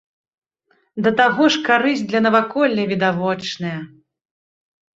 Да таго ж карысць для наваколля відавочная.